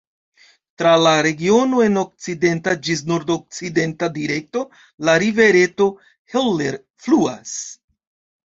Tra la regiono en okcidenta ĝis nordokcidenta direkto la rivereto Heller fluas.